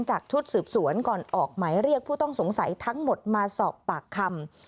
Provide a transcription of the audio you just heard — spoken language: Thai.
ชุดสืบสวนก่อนออกหมายเรียกผู้ต้องสงสัยทั้งหมดมาสอบปากคำ